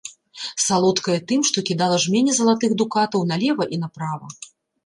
Салодкая тым, што кідала жмені залатых дукатаў налева і направа.